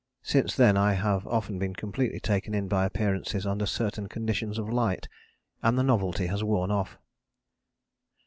Since then I have often been completely taken in by appearances under certain conditions of light, and the novelty has worn off.